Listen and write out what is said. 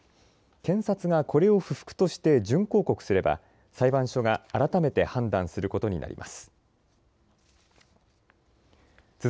検察がこれを不服として準抗告すれば裁判所が改めて判断することになります。